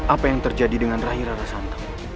apa yang terjadi dengan rahira rasanta